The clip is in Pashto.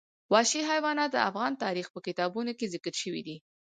وحشي حیوانات د افغان تاریخ په کتابونو کې ذکر شوی دي.